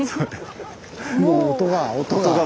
もう音が音が。